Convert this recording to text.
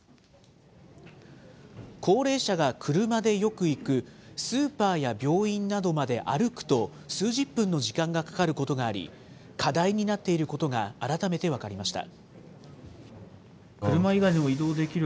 高齢者が車でよく行くスーパーや病院などまで歩くと、数十分の時間がかかることがあり、課題になっていることが改めて分かりました。